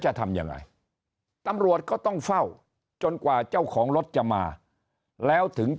จะทำยังไงตำรวจก็ต้องเฝ้าจนกว่าเจ้าของรถจะมาแล้วถึง